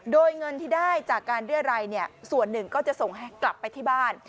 โดยเงินที่ได้จากการเรียรัยส่วนหนึ่งก็จะส่งให้กลับไปที่บ้าน